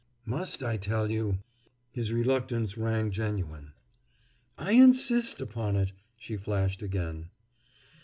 "Must I tell you?" His reluctance rang genuine. "I insist upon it!" she flashed again.